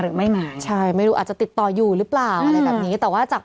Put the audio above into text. เพื่อไม่ให้เชื้อมันกระจายหรือว่าขยายตัวเพิ่มมากขึ้น